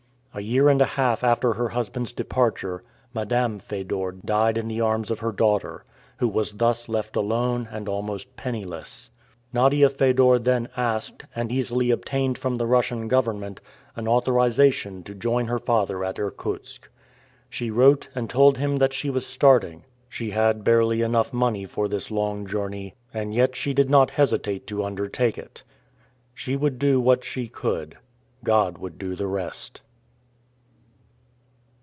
A year and a half after her husband's departure, Madame Fedor died in the arms of her daughter, who was thus left alone and almost penniless. Nadia Fedor then asked, and easily obtained from the Russian government, an authorization to join her father at Irkutsk. She wrote and told him she was starting. She had barely enough money for this long journey, and yet she did not hesitate to undertake it. She would do what she could. God would do the rest.